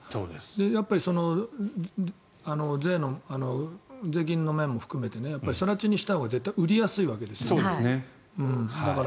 やっぱり税金の面も含めて更地にしたほうが売りやすいわけですから。